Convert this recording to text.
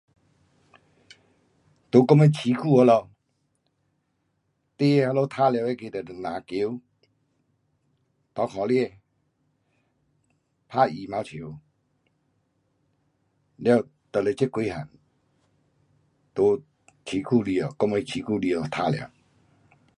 就讲那几句咯，你那里玩耍那个就挤球，骑脚车，打